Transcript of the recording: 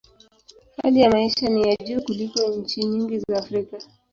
Hali ya maisha ni ya juu kuliko nchi nyingi za Afrika.